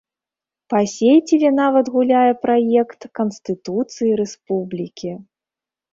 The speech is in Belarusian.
Па сеціве нават гуляе праект канстытуцыі рэспублікі.